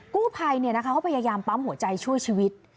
กู้ภัยเนี่ยนะคะเขาพยายามปั๊มหัวใจช่วยชีวิต